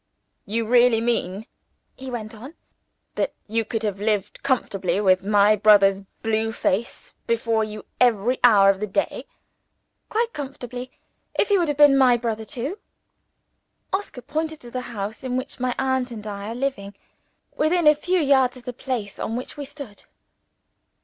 "You really mean," he went on, "that you could have lived comfortably with my brother's blue face before you every hour of the day?" "Quite comfortably if he would have been my brother too." Oscar pointed to the house in which my aunt and I are living within a few yards of the place on which we stood.